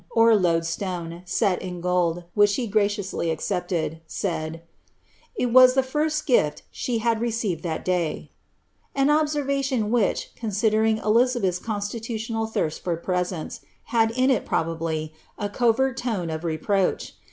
or loadstone, set in gold, which she graciously acceptii " It was ihe first gift she had received that dav," — an observation, considering Elizabeth's constitutional thirst for prescnL", had in bably, a covert lone of reproach.